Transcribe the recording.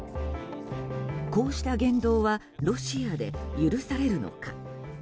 こうした言動はロシアで許されるのか。